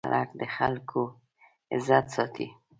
سړک د خلکو عزت ساتي.